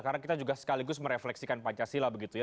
karena kita juga sekaligus merefleksikan pancasila begitu ya